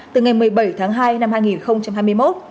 từ ngày một mươi bảy tháng hai năm hai nghìn hai mươi một